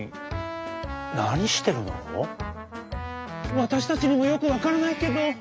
「わたしたちにもよくわからないけど」。